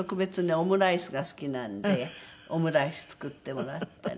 オムライスが好きなんでオムライス作ってもらったり。